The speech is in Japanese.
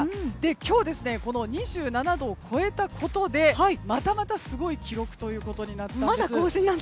今日、２７度を超えたことでまたまたすごい記録となったんです。